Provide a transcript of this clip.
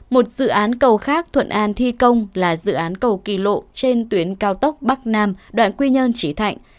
một dự án cầu khác thuận an thi công là dự án cầu kỳ lộ trên tuyến cao tốc bắc nam đoạn quy nhơn trí thạnh